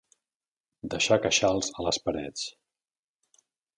Deixar queixals a les parets.